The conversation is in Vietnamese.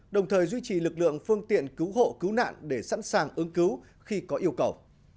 đồng thời duy trì lực lượng phương tiện cứu hộ cứu nạn để sẵn sàng ứng cứu khi có yêu cầu